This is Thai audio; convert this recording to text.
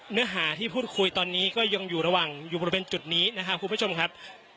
เนื้อหาที่พูดคุยตอนนี้ก็ยังอยู่ระหว่างอยู่บริเวณจุดนี้นะครับคุณผู้ชมครับ